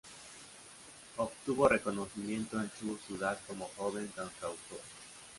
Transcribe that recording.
Obtuvo reconocimiento en su ciudad como joven cantautor.